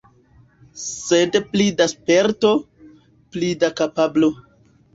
Sed pli da sperto, pli da kapablo.